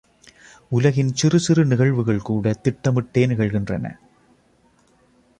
உலகின் சிறு சிறு நிகழ்வுகள் கூட திட்டமிட்டே நிகழ்கின்றன.